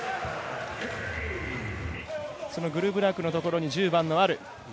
グルブラクのところに１０番のアル。